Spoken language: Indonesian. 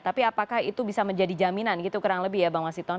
tapi apakah itu bisa menjadi jaminan gitu kurang lebih ya bang wasiton